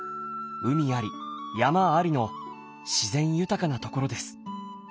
海あり山ありの自然豊かな所です。